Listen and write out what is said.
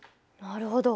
なるほど。